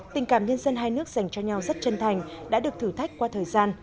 tình cảm nhân dân hai nước dành cho nhau rất chân thành đã được thử thách qua thời gian